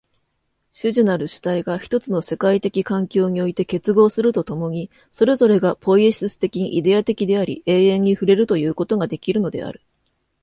種々なる主体が一つの世界的環境において結合すると共に、それぞれがポイエシス的にイデヤ的であり、永遠に触れるということができるのである。